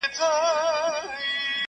پر دې لاره به یې سل ځلی وه وړي؛